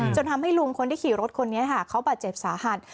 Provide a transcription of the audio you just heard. จนทำให้ลุงคนที่ขี่รถคนนี้ค่ะเขาบาดเจ็บสาหัส